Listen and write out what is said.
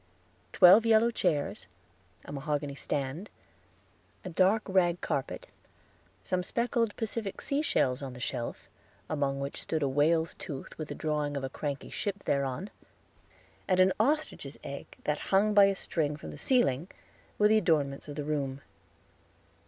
Twelve yellow chairs, a mahogany stand, a dark rag carpet, some speckled Pacific sea shells on the shelf, among which stood a whale's tooth with a drawing of a cranky ship thereon, and an ostrich's egg that hung by a string from the ceiling, were the adornments of the room.